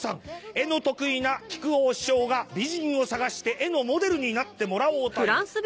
絵の得意な木久扇師匠が美人を探して絵のモデルになってもらおうという。